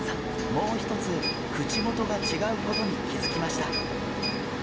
もう一つ口元が違うことに気付きました。